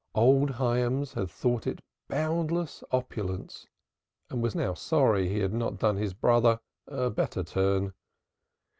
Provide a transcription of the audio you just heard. Old Hyams had thought it boundless opulence and was now sorry he had not done his brother a better turn.